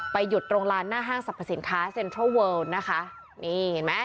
หยุดตรงลานหน้าห้างสรรพสินค้าเซ็นทรัลเวิลนะคะนี่เห็นไหม